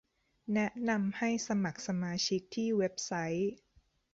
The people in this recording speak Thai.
แนะนำให้สมัครสมาชิกที่เว็บไซต์